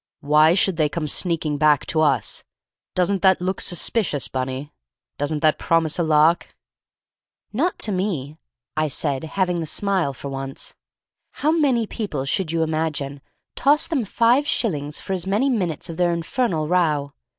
"Why should they come sneaking back to us? Doesn't that look suspicious, Bunny; doesn't that promise a lark?" "Not to me," I said, having the smile for once. "How many people, should you imagine, toss them five shilling for as many minutes of their infernal row?